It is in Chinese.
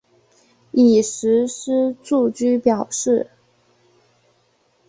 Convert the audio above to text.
已实施住居表示。